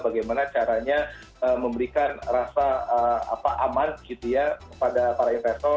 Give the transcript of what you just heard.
bagaimana caranya memberikan rasa aman kepada para investor